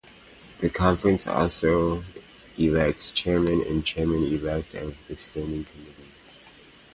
The conference also elects chairmen and chairmen-elect of the standing committees.